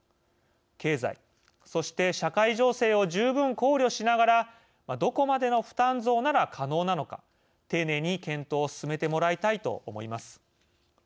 経済、そして社会情勢を十分考慮しながらどこまでの負担増なら可能なのか丁寧に検討を進めてもらいたいと思います。